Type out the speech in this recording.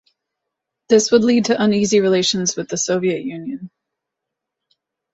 This would lead to uneasy relations with the Soviet Union.